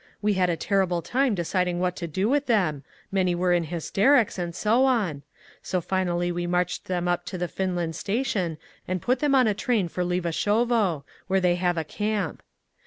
We had a terrible time deciding what to do with them—many were in hysterics, and so on. So finally we marched them up to the Finland Station and put them on a train for Levashovo, where they have a camp.